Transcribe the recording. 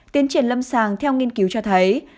tiến triển lâm sàng theo nghiên cứu cho thấy